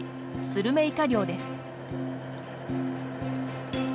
スルメイカ漁です。